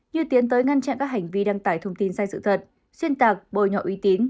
như tiến tới ngăn chặn các hành vi đăng tải thông tin sai sự thật xuyên tạc bồi nhọ uy tín